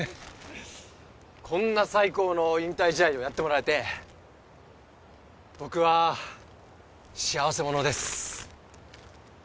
こんな最高の引退試合をやってもらえて僕は幸せ者です